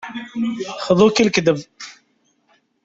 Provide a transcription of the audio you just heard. Xḍu-k i lekdeb.